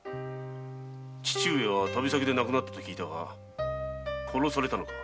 父上は旅先で亡くなったと聞いたが殺されたのか？